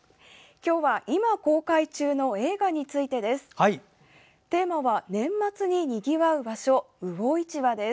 今日は今公開中の映画についてです。